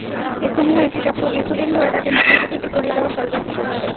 স্থানীয় একটি চক্র দীর্ঘদিন ধরে তাঁকে মাদ্রাসা থেকে সরিয়ে দেওয়ার ষড়যন্ত্র করছে।